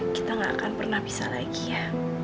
kita gak akan pernah bisa lagi ya